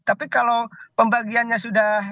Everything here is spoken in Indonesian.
jadi kalau pembagiannya sudah tidak adil ya akan ribut